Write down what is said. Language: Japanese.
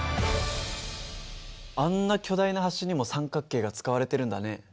あんな巨大な橋にも三角形が使われてるんだね。